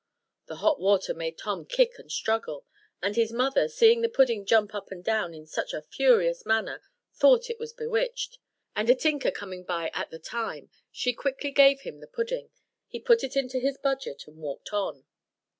The hot water made Tom kick and struggle; and his mother, seeing the pudding jump up and down in such a furious manner, thought it was bewitched; and a tinker coming by just at the time, she quickly gave him the pudding; he put it into his budget, and walked on.